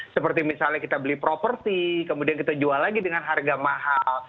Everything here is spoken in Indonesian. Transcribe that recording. seperti misalnya kita beli properti kemudian kita jual lagi dengan harga mahal